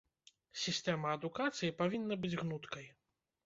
Сістэма адукацыі павінна быць гнуткай.